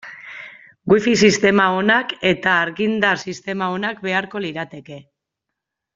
Wifi sistema onak eta argindar sistema onak beharko lirateke.